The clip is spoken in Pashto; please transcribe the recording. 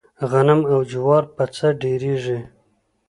غنم او جوار په څۀ ډېريږي؟